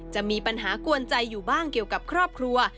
จะมีปัญหากวนใจอยู่บ้างเกี่ยวกับครอบครัว